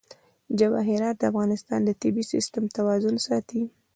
جواهرات د افغانستان د طبعي سیسټم توازن ساتي.